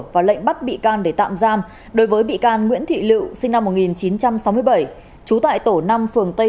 và lệnh bắt bị can để tạm giam đối với bị can nguyễn thị lựu sinh năm một nghìn chín trăm sáu mươi bảy